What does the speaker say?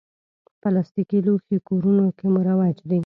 پلاستيکي لوښي کورونو کې مروج دي.